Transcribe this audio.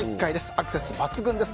アクセス抜群です。